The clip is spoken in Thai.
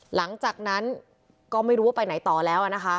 หลังจากนั้นก็ไม่รู้ว่าไปไหนต่อแล้วนะคะ